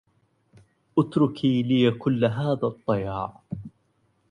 أُتركي لي كل هذا الضياع